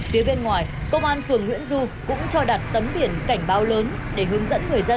phía bên ngoài công an phường nguyễn du cũng cho đặt tấm biển cảnh báo lớn để hướng dẫn người dân